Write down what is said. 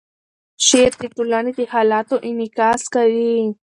شعر د ټولنې د حالاتو انعکاس کوي.